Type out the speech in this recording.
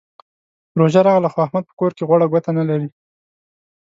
روژه راغله؛ خو احمد په کور کې غوړه ګوته نه لري.